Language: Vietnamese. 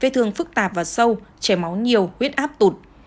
thức tạp và sâu chảy máu nhiều huyết áp tụt